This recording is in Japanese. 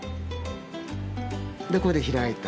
でこれで開いた。